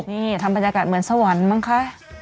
นี่ทำบรรยากาศเหมือนสวรรค์บ้างคะ